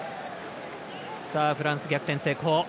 フランス、逆転成功。